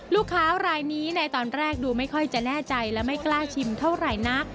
ลูกค้ารายนี้ในตอนแรกดูไม่ค่อยจะแน่ใจและไม่กล้าชิมเท่าไหร่นัก